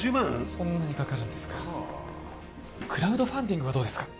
そんなにかかるんですかはあクラウドファンディングはどうですか？